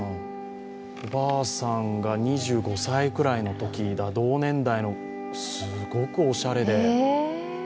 おばあさんが２５歳くらいのとき、同年代の、すごくおしゃれで。